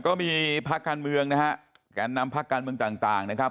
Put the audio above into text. ก็มีพักการเมืองนะฮะแกนนำพักการเมืองต่างนะครับ